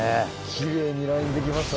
奇麗にラインできましたね。